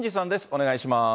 お願いします。